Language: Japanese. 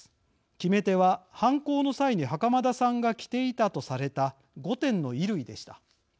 決め手は、犯行の際に袴田さんが着ていたとされた５点の衣類でした。